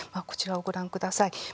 こちらをご覧ください。